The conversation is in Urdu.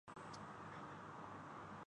سکندر اعظم کی عظیم تعلیم کا درس لیا